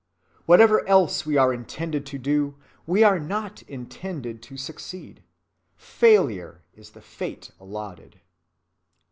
Whatever else we are intended to do, we are not intended to succeed; failure is the fate allotted."